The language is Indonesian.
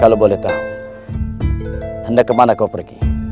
kalau boleh tahu anda kemana kau pergi